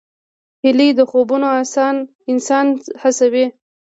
هیلې او خوبونه انسان هڅوي.